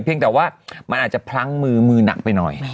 เพียงแต่ว่ามันอาจพลั้งมือหนักไปหน่อย